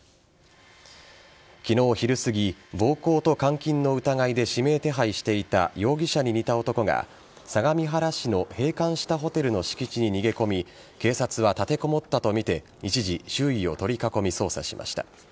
昨日昼すぎ、暴行と監禁の疑いで指名手配していた容疑者に似た男が相模原市の閉館したホテルの敷地に逃げ込み警察は、立てこもったとみて一時、周囲を取り囲み捜査しました。